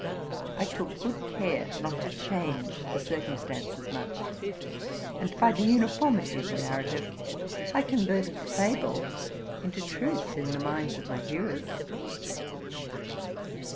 I took good care not to change the circumstances much ; and, by the uniformity of the narrative, I converted the fable into truth in the minds of my hearers.